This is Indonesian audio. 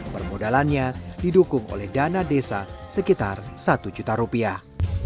permodalannya didukung oleh dana desa sekitar satu juta rupiah